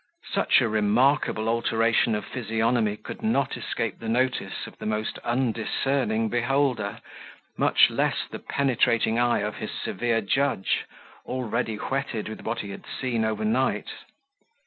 Such a remarkable alteration of physiognomy could not escape the notice of the most undiscerning beholder, much less the penetrating eye of his severe judge, already whetted with what he had seen over night.